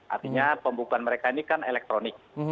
artinya pembukaan mereka ini kan elektronik